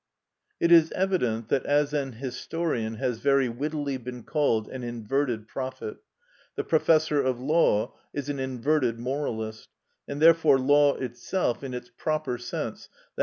It is evident that as an historian has very wittily been called an inverted prophet, the professor of law is an inverted moralist, and therefore law itself, in its proper sense, _i.